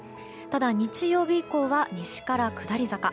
ただ、日曜日以降は西から下り坂。